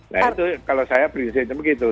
nah itu kalau saya prinsipnya begitu